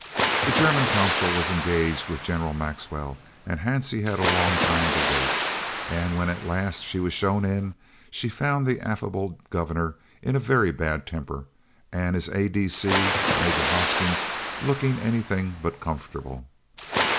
The German Consul was engaged with General Maxwell and Hansie had a long time to wait, and when at last she was shown in she found the affable Governor in a very bad temper and his A.D.C., Major Hoskins, looking anything but comfortable.